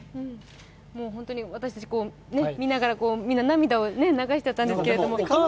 私たち、見ながら涙を流しちゃったんですけど。